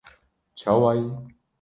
Çawa yî?